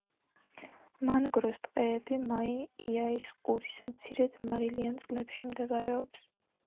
მანგროს ტყეები მაი იაის ყურის მცირედ მარილიან წყლებში მდებარეობს.